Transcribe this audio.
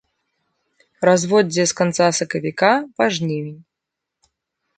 Разводдзе з канца сакавіка па жнівень.